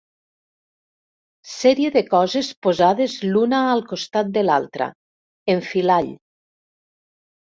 Sèrie de coses posades l'una al costat de l'altra, enfilall.